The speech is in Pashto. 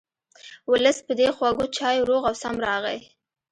ولس په دې خوږو چایو روغ او سم راغی.